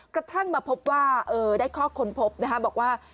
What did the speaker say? กระทั่งมาพบว่าได้ข้อค้นพบบอกว่า